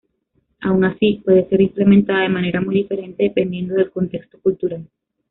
Aun así, pueda ser implementada de manera muy diferente, dependiendo de el contexto cultural.